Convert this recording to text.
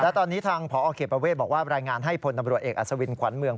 และตอนนี้ทางพอเขตประเวทบอกว่ารายงานให้พลตำรวจเอกอัศวินขวัญเมือง